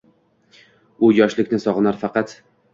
U — yoshlikni sog’inar faqat